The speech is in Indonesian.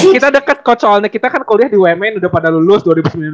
kita deket kok soalnya kita kan kuliah di umn udah pada lulus dua ribu sembilan belas